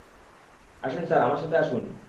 আসুন স্যার, আমার সাথে আসুন।